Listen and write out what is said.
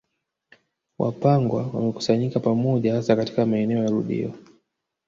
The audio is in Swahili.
Wapangwa wamekusanyika pamoja hasa katika maeneo ya Ludewa